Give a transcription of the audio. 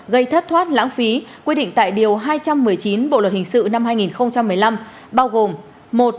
gây thất thoát lãng phí quy định tại điều hai trăm một mươi chín bộ luật hình sự năm hai nghìn một mươi năm bao gồm